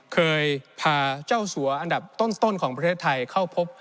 เคยพาเจ้าสัวอันดับต้นของประเทศไทยเข้าพบ